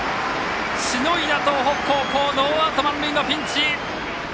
しのいだ東北高校ノーアウト満塁のピンチ！